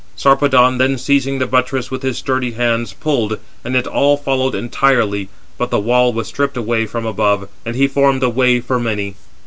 Sarpedon then seizing the buttress with his sturdy hands, pulled, and it all followed entirely; but the wall was stripped away from above, and he formed a way for many.